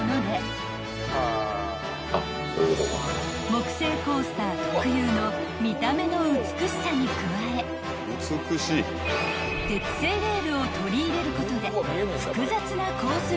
［木製コースター特有の見た目の美しさに加え鉄製レールを取り入れることで複雑なコース